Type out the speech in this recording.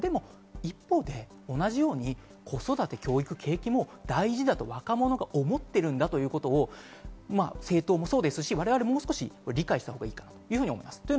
一方で同じように子育て、教育、景気も大事だと若者も思っているということを政党も我々ももう少し理解したほうがいいと思います。